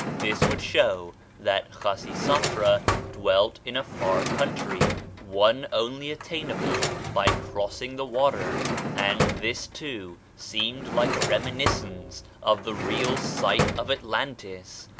This would show that Khasisatra dwelt in a far country, one only attainable by crossing the water; and this, too, seems like a reminiscence of the real site of Atlantis.